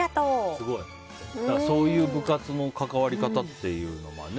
そういう部活の関わり方っていうのもね